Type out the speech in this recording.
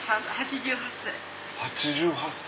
８８歳。